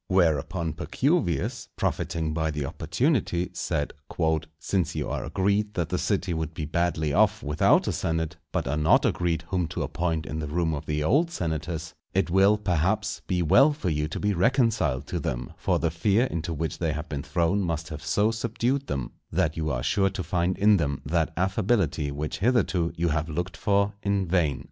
Whereupon Pacuvius, profiting by the opportunity, said, "Since you are agreed that the city would be badly off without a senate, but are not agreed whom to appoint in the room of the old senators, it will, perhaps, be well for you to be reconciled to them; for the fear into which they have been thrown must have so subdued them, that you are sure to find in them that affability which hitherto you have looked for in vain."